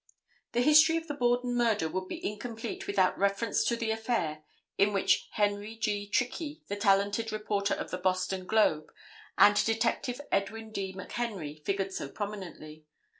The history of the Borden murder would be incomplete without reference to the affair in which Henry G. Trickey, the talented reporter of the Boston Globe, and Detective Edwin D. McHenry figured so prominently.